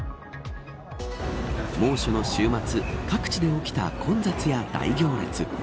猛暑の週末各地で起きた混雑や大行列。